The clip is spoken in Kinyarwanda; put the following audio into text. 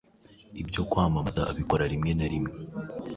ibyo kwamamaza abikora rimwe na rimwe.